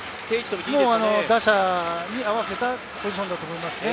打者に合わせたポジションだと思います。